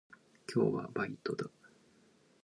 寒々と吹く秋風のように、厳しく冷たいこと。